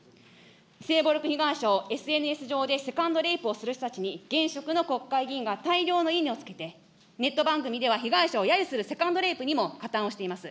性暴力被害者をＳＮＳ上でセカンドレイプをする人たちに現職の国会議員が大量のいいねをつけて、ネット番組では被害者をやゆするセカンドレイプにも加担をしています。